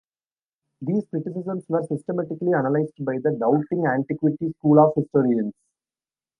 These criticisms were systematically analysed by the Doubting Antiquity School of historians.